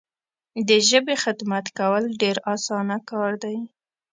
د ژبي خدمت کول ډیر اسانه کار دی.